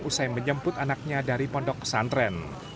usai menjemput anaknya dari pondok pesantren